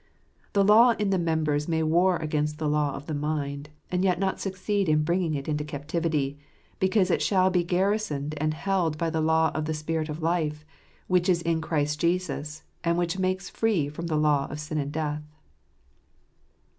The law in the members may war against the law of the mind, and yet not succeed in bringing it into captivity, because it shall be garrisoned and held by the law of the Spirit of Life, which is in Christ Jesus, and which makes free from the law of sin and death.